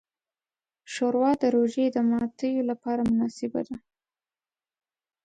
ښوروا د روژې د ماتیو لپاره مناسبه ده.